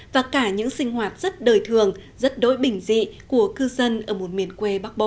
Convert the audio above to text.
và cả những sinh hoạt rất đời thường rất đối bình dị của cư dân ở một miền quê bắc bộ